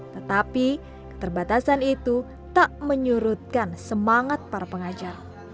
tetapi keterbatasan itu tak menyurutkan semangat para pengajar